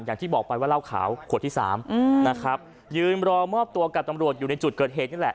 อย่างที่บอกไปว่าเหล้าขาวขวดที่สามนะครับยืนรอมอบตัวกับตำรวจอยู่ในจุดเกิดเหตุนี่แหละ